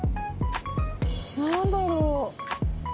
何だろう？